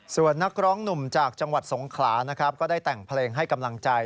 ส่วนนักร้องหนุ่มจากจังหวัดสงขลานะครับก็ได้แต่งเพลงให้กำลังใจ